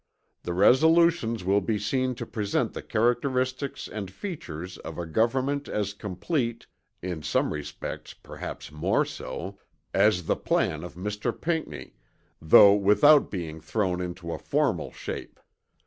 The resolutions will be seen to present the characteristics and features of a government as complete (in some respects, perhaps more so) as the plan of Mr. Pinckney, though without being thrown into a formal shape.